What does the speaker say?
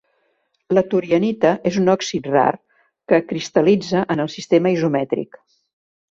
La torianita és un òxid rar, que cristal·litza en el sistema isomètric.